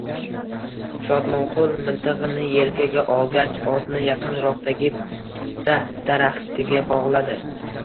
Shodmonqul miltig‘ini yelkaga olgach, otni yaqinroqdagi pista daraxtiga bog‘ladi